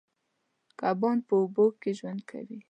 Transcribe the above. کبان په اوبو کې ژوند کوي.